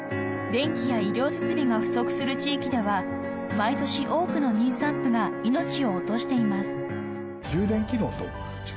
［電気や医療設備が不足する地域では毎年多くの妊産婦が命を落としています］